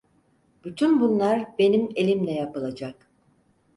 Bütün bunlar benim elimle yapılacak.